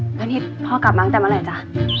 แล้วนี่พ่อกลับมาตั้งแต่เมื่อไหร่จ้ะ